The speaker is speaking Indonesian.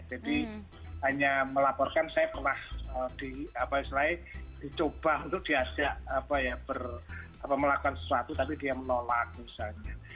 jadi hanya melaporkan saya pernah dicoba untuk diajak melakukan sesuatu tapi dia menolak misalnya